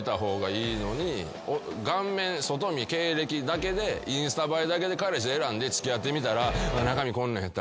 顔面外見経歴だけでインスタ映えだけで彼氏選んで付き合ってみたら中身こんなんやった。